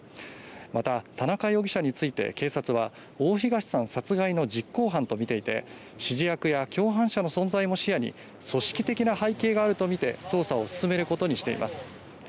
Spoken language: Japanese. また、田中容疑者について警察は大東さん殺害の実行犯と見ていて指示役や共犯者の存在も視野に組織的な背景があるとみて捜査を進めることにしています。